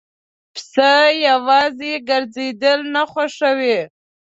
پسه یواځی ګرځېدل نه خوښوي.